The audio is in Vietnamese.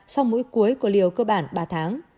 sau mũi cuối của liều cơ bản ba tháng